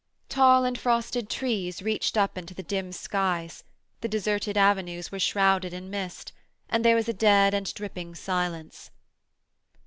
Tall and frosted trees reached up into the dim skies, the deserted avenues were shrouded in mist, and there was a dead and dripping silence.